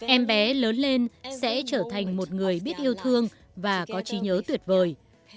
em bé lớn lên sẽ trở thành một người biết yêu thương và có trí nhớ tuyệt vời